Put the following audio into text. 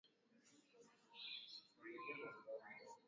Kuhangaika na unyonge kwa jumla